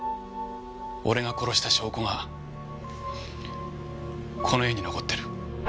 俺が殺した証拠がこの絵に残ってる。